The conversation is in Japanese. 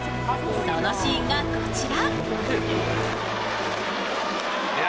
そのシ−ンがこちら。